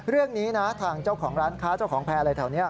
เรื่องนี้นะทางเจ้าของร้านค้าเจ้าของแพร่อะไรแถวนี้